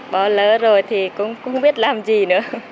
bỏ lỡ rồi thì cũng không biết làm gì nữa